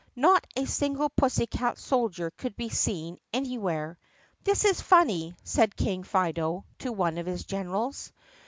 Not a single pussycat soldier could be seen anywhere. "This is funny/' said King Fido to one of his generals.